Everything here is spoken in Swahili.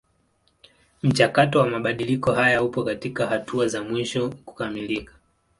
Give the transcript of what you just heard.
Mchakato wa mabadiliko haya upo katika hatua za mwisho kukamilika.